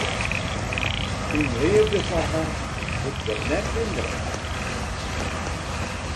Syn leafde foar har wurdt der net minder om.